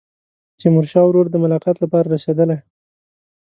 تیمورشاه ورور د ملاقات لپاره رسېدلی.